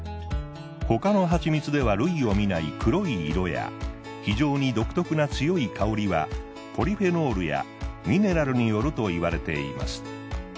他の蜂蜜では類を見ない黒い色や非常に独特な強い香りはポリフェノールやミネラルによるといわれています。